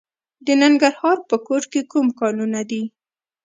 د ننګرهار په کوټ کې کوم کانونه دي؟